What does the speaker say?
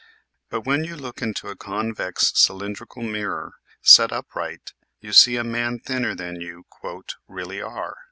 But when you look into a convex cylindrical mirror set up right you see a man thinner than you " really are."